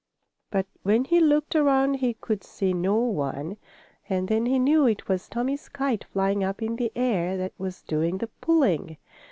But when he looked around he could see no one, and then he knew it was Tommie's kite, flying up in the air, that was doing the pulling.